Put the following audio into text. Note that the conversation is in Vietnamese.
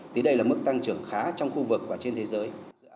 thì đây là mức tăng trưởng khá trong khu vực và trên thế giới